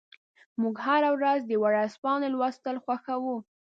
موږ هره ورځ د ورځپاڼې لوستل خوښوو.